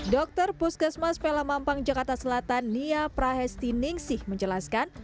dokter puskesmas pelamampang jakarta selatan nia prahesti ningsih menjelaskan